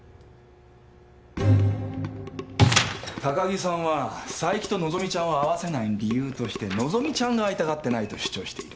高木さんは佐伯と和希ちゃんを会わせない理由として和希ちゃんが会いたがってないと主張している。